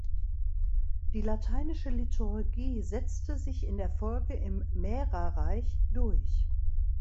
Die lateinische Liturgie setzte sich in der Folge im Mährerreich durch.